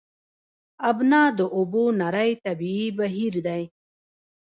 ابنا د اوبو نری طبیعي بهیر دی.